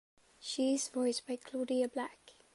She is voiced by Claudia Black.